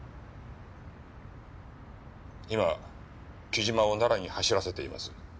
今木島を奈良に走らせています。